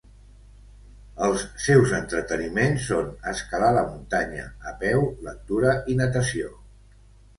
Els seus entreteniments són escalar la muntanya a peu, lectura i natació.